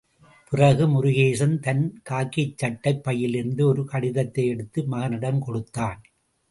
பிறகு, முருகேசன் தன் காக்கி சட்டைப் பையிலிருந்து ஒரு கடிதத்தை எடுத்து மகனிடம் கொடுத்தான்.